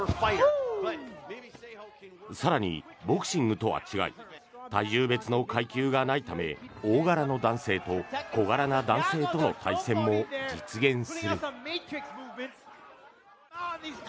更にボクシングとは違い体重別の階級がないため大柄の男性と小柄な男性との対戦も実現する。